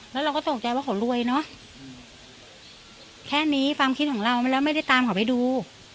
แล้วเราก็ตกใจว่าเขารวยเนอะแค่นี้ความคิดของเรามันแล้วไม่ได้ตามเขาไปดู